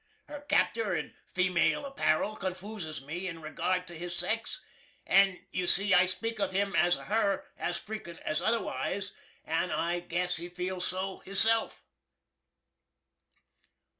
Her captur in female apparel confooses me in regard to his sex, & you see I speak of him as a her as frekent as otherwise, & I guess he feels so hisself.